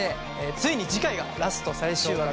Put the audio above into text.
ついに次回がラスト最終話ということです。